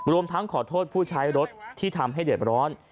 รวมทั้งขอโทษผู้ใช้รถที่ทำให้เดือดร้อน